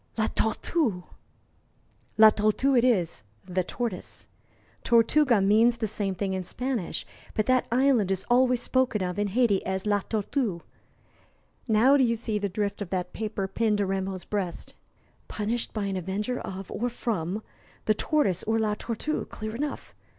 "La Tortue!" "La Tortue it is the tortoise. Tortuga means the same thing in Spanish. But that island is always spoken of in Hayti as La Tortue. Now, do you see the drift of that paper pinned to Rameau's breast?" "Punished by an avenger of or from the tortoise or La Tortue clear enough.